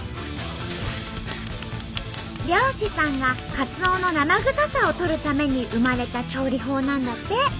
漁師さんがカツオの生臭さを取るために生まれた調理法なんだって。